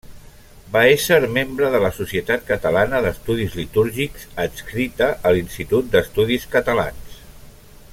Va ésser membre de la Societat Catalana d’Estudis Litúrgics, adscrita a l’Institut d’Estudis Catalans.